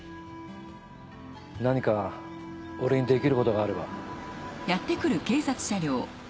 何か俺にできることがあれば。